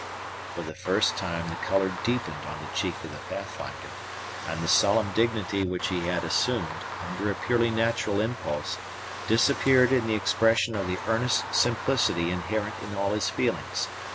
For the first time the color deepened on the cheek of the Pathfinder, and the solemn dignity which he had assumed, under a purely natural impulse, disappeared in the expression of the earnest simplicity inherent in all his feelings.